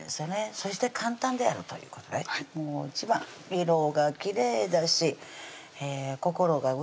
そして簡単であるということでもう一番色がきれいだし心がウキウキする色ですね